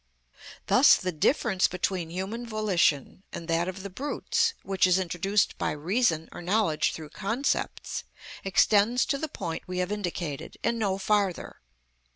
Thus the difference between human volition and that of the brutes, which is introduced by reason or knowledge through concepts, extends to the point we have indicated, and no farther.